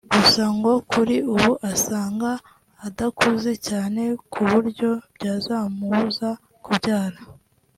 gusa ngo kuri ubu asanga adakuze cyane ku buryo byazamubuza kubyara